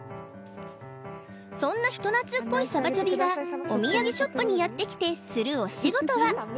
そんな人懐っこいサバチョビがお土産ショップにやってきてするお仕事は？